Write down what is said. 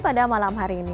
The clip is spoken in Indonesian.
pada malam hari ini